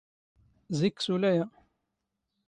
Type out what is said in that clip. ⵣⵉⴽⴽ ⵙⵓⵍ ⴰⵢⴰ.